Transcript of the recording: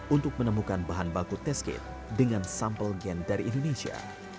untuk menemukan bahan baku test kit dengan sampel gen dari indonesia